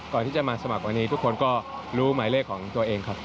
ก่อนที่จะมาสมัครวันนี้ทุกคนก็รู้หมายเลขของตัวเองครับ